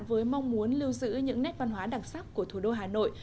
với mong muốn lưu giữ những nét văn hóa đặc sắc của thủ đô hà nội